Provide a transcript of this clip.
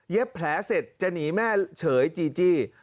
แผลเสร็จจะหนีแม่เฉยจีจี้